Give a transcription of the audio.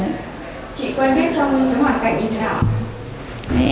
chị quen biết trong hoàn cảnh như thế nào